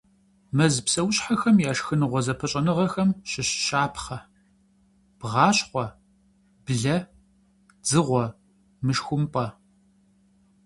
Мэз псэущхьэхэм я шхыныгъуэ зэпыщӏэныгъэхэм щыщ щапхъэ: бгъащхъуэ – блэ – дзыгъуэ – мышхумпӏэ.